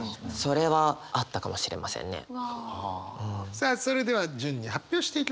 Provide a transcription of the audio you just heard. さあそれでは順に発表していきましょう。